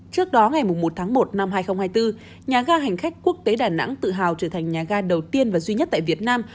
trước đó ngày một tháng một năm hai nghìn hai mươi bốn nhà ga hành khách quốc tế đà nẵng tự hào trở thành nhà ga đầu tiên và duy nhất tại việt nam